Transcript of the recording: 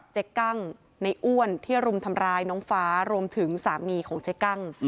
กั้งในอ้วนที่รุมทำร้ายน้องฟ้ารวมถึงสามีของเจ๊กั้ง